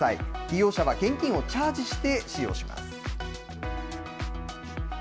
利用者は現金をチャージして使用します。